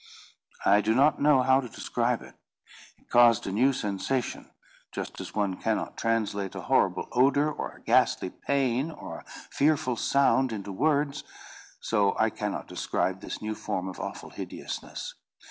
I do not know how to describe it. It caused a new sensation. Just as one cannot translate a horrible odour, or a ghastly pain, or a fearful sound, into words, so I cannot describe this new form of awful hideousness.